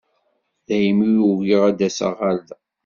Daymi ugiɣ ad d-aseɣ ɣer da.